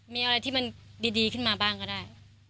มีอะไรที่มันดีขึ้นมาบ้างก็ได้